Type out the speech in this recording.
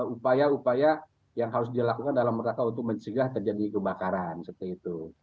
upaya upaya yang harus dilakukan dalam rangka untuk mencegah terjadi kebakaran seperti itu